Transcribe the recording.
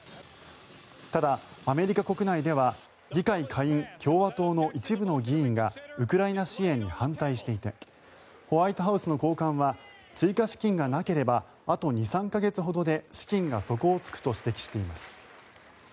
ただ、アメリカ国内では議会下院、共和党の一部の議員がウクライナ支援に反対していてホワイトハウスの高官は追加資金がなければあと２３か月ほどで資金が底を突くと指摘しています。